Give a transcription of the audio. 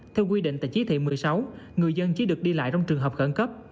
theo quy định tại chỉ thị một mươi sáu người dân chỉ được đi lại trong trường hợp khẩn cấp